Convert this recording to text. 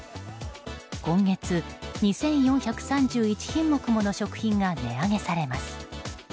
今月、２４３１品目もの食品が値上げされます。